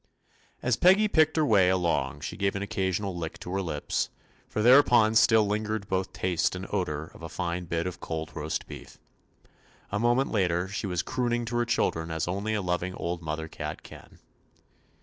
As Peggy picked her way along she gave an occasional lick to her lips, for thereupon still lingered both taste and odor of a fine bit of cold roast beef. A moment later she was crooning to her children as only a lov ing old mother cat can.